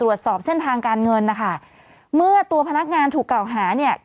ตรวจสอบเส้นทางการเงินนะคะเมื่อตัวพนักงานถูกกล่าวหาเนี่ย